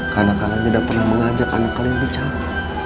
karena kalian tidak pernah mengajak anak kalian bicara